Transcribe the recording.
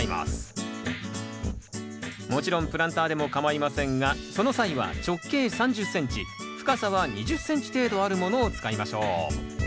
もちろんプランターでもかまいませんがその際は直径３０ｃｍ深さは２０ｃｍ程度あるものを使いましょう。